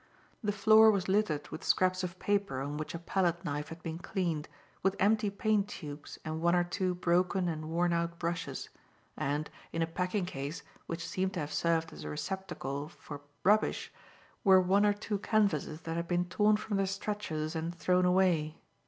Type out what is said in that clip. The floor was littered with scraps of paper on which a palette knife had been cleaned, with empty paint tubes and one or two broken and worn out brushes, and, in a packing case, which seemed to have served as a receptacle for rubbish, were one or two canvases that had been torn from their stretchers and thrown away.